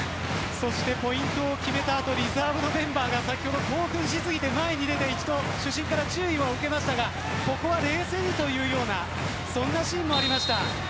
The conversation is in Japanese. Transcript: そしてポイントを決めた後リザーブのメンバーが興奮しすぎて前に出て一度、主審から注意を受けましたがここは冷静にというようなそんなシーンもありました。